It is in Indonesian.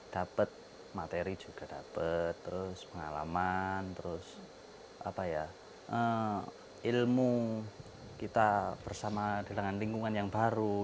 dapat materi juga dapat terus pengalaman terus ilmu kita bersama di lengan lingkungan yang baru